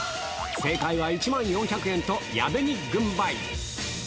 正解は１万４００円と、矢部に軍配。